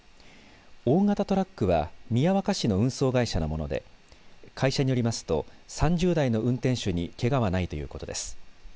大型トラックは宮若市の運送会社のもので会社によりますと３０代の運転手にけがはないということです。